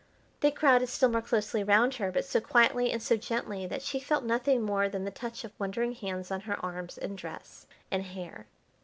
They crowded still more closely round her, but so quietly and so gently that she felt nothing more than the touch of wondering hands on her arms, and dress, and hair.